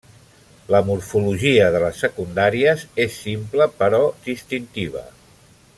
La morfologia de les secundàries és simple però distintiva.